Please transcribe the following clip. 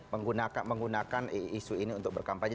menggunakan isu ini untuk berkampanye